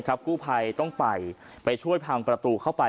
กู้ภัยต้องไปไปช่วยพังประตูเข้าไป